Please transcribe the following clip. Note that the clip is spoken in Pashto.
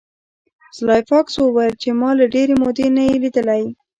سلای فاکس وویل چې ما له ډیرې مودې نه یې لیدلی